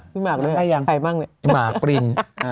พี่หมากได้ยังพี่หมากกิน